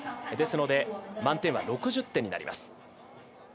ですので満点は６０点になります。